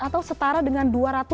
atau setara dengan